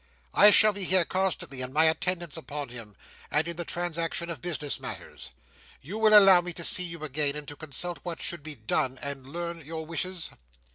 "I shall be here constantly in my attendance upon him, and in the transaction of business matters. You will allow me to see you again, and to consult what should be done, and learn your wishes?"